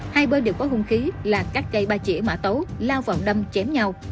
hai bên đều có hung khí là cắt cây ba chỉa mã tấu lao vào đâm chém nhau